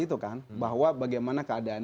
itu kan bahwa bagaimana keadaan